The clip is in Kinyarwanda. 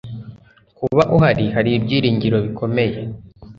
kuba uhari hari ibyiringiro bikomeye